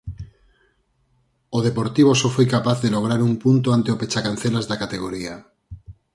O Deportivo só foi capaz de lograr un punto ante o pechacancelas da categoría.